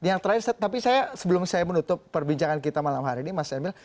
yang terakhir tapi saya sebelum saya menutup perbincangan kita malam hari ini mas emil